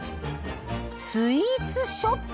「スイーツショップ」。